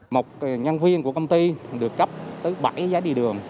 một nhân viên của công ty được cấp tới bảy giá đi đường